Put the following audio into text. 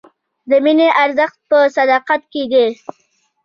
د مینې ارزښت په صداقت کې دی.